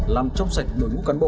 làm trong sạch đối mục cán bộ